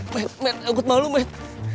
men men agut malu men